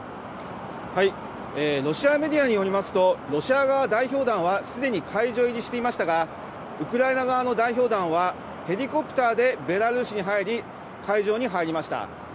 ロシアメディアによりますと、ロシア側代表団はすでに会場入りしていましたが、ウクライナ側の代表団は、ヘリコプターでベラルーシに入り、会場に入りました。